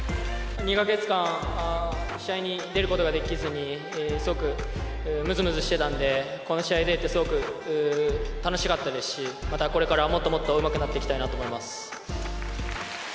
２か月間、試合に出ることができずに、すごくむずむずしてたんで、この試合に出てすごく楽しかったですし、またこれからもっともっとうまくなっていきたいなと思います。